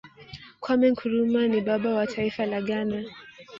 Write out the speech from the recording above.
kwame nkrumah ni baba wa taifa la ghana